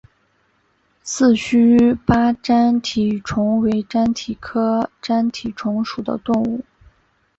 四须鲃粘体虫为粘体科粘体虫属的动物。